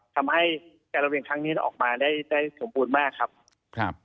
ทำให้การระเวียงทางนี้ออกมาได้สมบูรณ์มากครับ